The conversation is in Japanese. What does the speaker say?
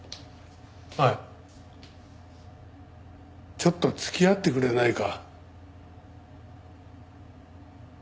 ちょっと付き合ってくれないか？